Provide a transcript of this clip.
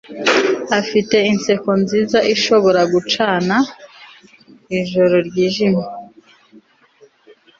Afite inseko nziza ishobora gucana ijoro ryijimye